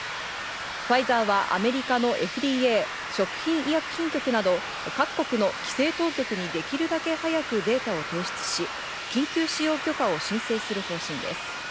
ファイザーはアメリカのＦＤＡ＝食品医薬品局など、各国の規制当局にできるだけ早くデータを提出し、緊急使用許可を申請する方針です。